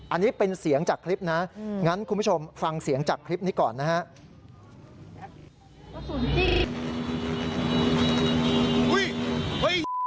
อันนี้เป็นเสียงจากคลิปนะงั้นคุณผู้ชมฟังเสียงจากคลิปนี้ก่อนนะครับ